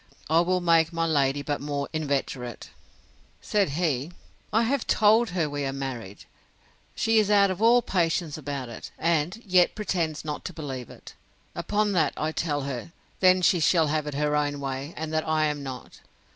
It will make my lady but more inveterate.—Said he, I have told her we are married. She is out of all patience about it, and yet pretends not to believe it. Upon that I tell her, Then she shall have it her own way, and that I am not.